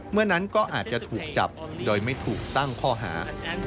เมื่อนั้นก็อาจจะถูกจับโดยไม่ถูกตั้งข้อหา